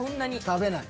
食べない。